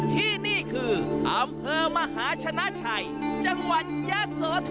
ที่นี่คืออำเภอมหาชนะชัยจังหวัดยะโสธร